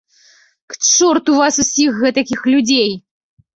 К чорту вас усіх гэтакіх людзей!